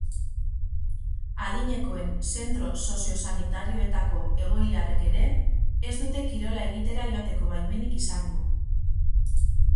Adinekoen zentro sozio-sanitarioetako egoiliarrek ere ez dute kirola egitera joateko baimenik izango.